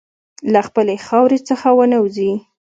له خپلې خاورې څخه ونه وځې.